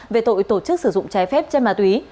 về tội tổ chức sử dụng trái phép chân ma túy